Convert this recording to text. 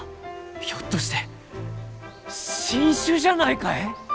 ひょっとして新種じゃないかえ？